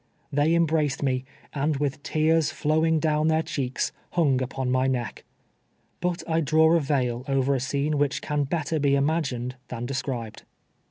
1'liey embraced me, and with tears flowing down their cheeks, hung upon my neck. But I draw a veil over a scene which can better be imagined than described.